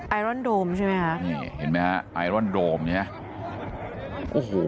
ไอรอนโดรมใช่ไหมครับเห็นไหมฮะไอรอนโดรมอย่างนี้